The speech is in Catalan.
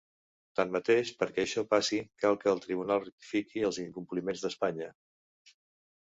Tanmateix, perquè això passi, cal que el tribunal ratifiqui els incompliments d’Espanya.